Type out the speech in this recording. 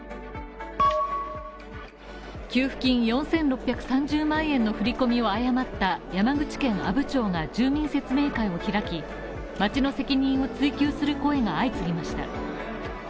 給付金４６３０万円の振り込みを誤った山口県阿武町が住民説明会を開き、町の責任を追及する声が相次ぎました。